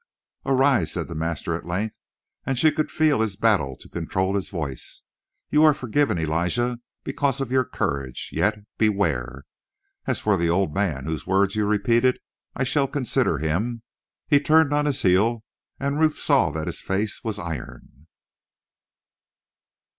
"Arise," said the master at length, and she could feel his battle to control his voice. "You are forgiven, Elijah, because of your courage yet, beware! As for that old man whose words you repeated, I shall consider him." He turned on his heel, and Ruth saw that his face was iron.